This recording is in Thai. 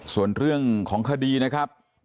ส่วนเรื่องของคดีนะครับ